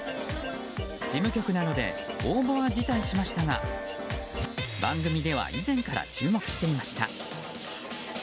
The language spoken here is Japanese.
事務局なので応募は辞退しましたが番組では以前から注目していました。